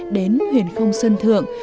đến huyền không sân thượng